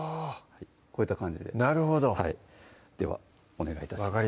はぁこういった感じでなるほどではお願い致します